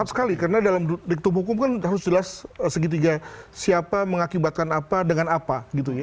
sekali karena dalam diktub hukum kan harus jelas segitiga siapa mengakibatkan apa dengan apa gitu ya